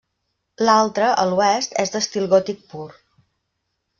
L'altre, a l'oest, és d'estil gòtic pur.